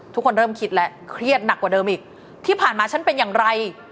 ทุกคนเริ่มคิดแล้วเครียดหนักกว่าเดิมอีกที่ผ่านมาฉันเป็นอย่างไร